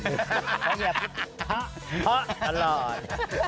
เพราะเฮียพูดห๊ะห๊ะตลอด